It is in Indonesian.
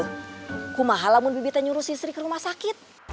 bagaimana kalau bibita nyuruh si sri ke rumah sakit